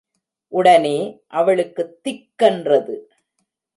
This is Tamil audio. உடனே, அவளுக்குத் திக் கென்றது.